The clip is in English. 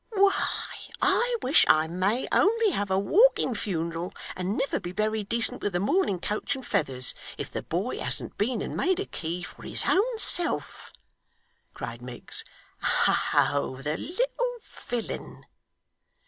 'Why I wish I may only have a walking funeral, and never be buried decent with a mourning coach and feathers, if the boy hasn't been and made a key for his own self!' cried Miggs. 'Oh the little villain!